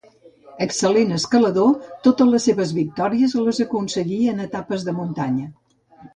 Excel·lent escalador, totes les seves victòries les aconseguí en etapes de muntanya.